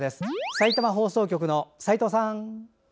さいたま放送局の齋藤さん！